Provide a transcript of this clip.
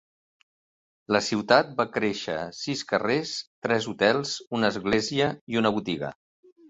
La ciutat va créixer sis carrers, tres hotels, una església i una botiga.